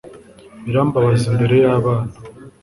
birambabaza imbere yabana